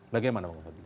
bagaimana bang fadli